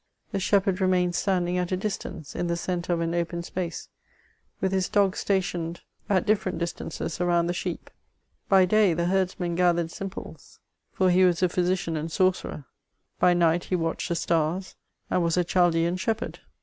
The shepherd remained standing at a distance, in the oentre of an open space, with his dogs stationed at difierent distanodt CHATEAUBBIAm). 361 around the sheep. By day the herdsman gathered simples; for he was a physician and sorcerer ; hy night he watched the stars, and was a Chaldean shepherd.